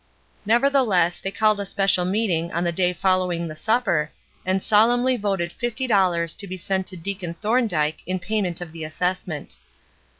Nevertheless, they called a special meeting on the day following the supper, and solemnly voted fifty dollars to be sent to Deacon Thorn dyke in payment of the assessment.